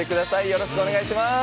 よろしくお願いします。